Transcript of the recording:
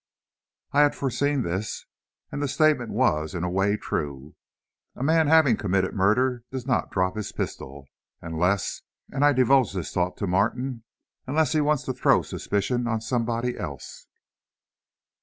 I had foreseen this. And the statement was, in a way, true. A man, having committed murder, does not drop his pistol, unless, and I divulged this thought to Martin, unless he wants to throw suspicion on someone else.